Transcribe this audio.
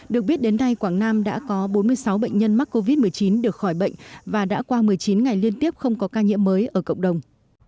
được biết đến nay quảng nam đã có bốn mươi sáu bệnh nhân mắc covid một mươi chín được khỏi bệnh và đã qua một mươi chín ngày liên tiếp không có ca nhiễm mới ở cộng đồng